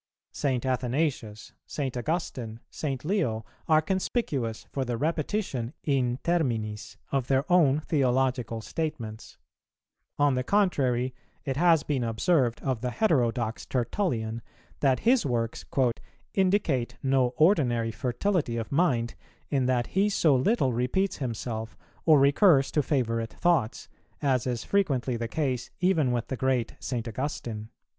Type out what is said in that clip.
St. Athanasius, St. Augustine, St. Leo are conspicuous for the repetition in terminis of their own theological statements; on the contrary, it has been observed of the heterodox Tertullian, that his works "indicate no ordinary fertility of mind in that he so little repeats himself or recurs to favourite thoughts, as is frequently the case even with the great St. Augustine."